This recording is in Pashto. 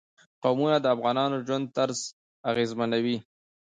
قومونه د افغانانو د ژوند طرز اغېزمنوي.